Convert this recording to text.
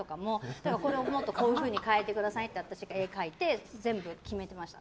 だからこれをもっとこういうふうに変えてくださいって私が絵を描いて全部決めてました。